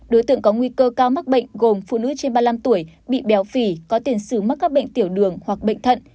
đối tượng có nguy cơ cao mắc bệnh gồm phụ nữ trên ba mươi năm tuổi bị béo phì có tiền sử mắc các bệnh tiểu đường hoặc bệnh thận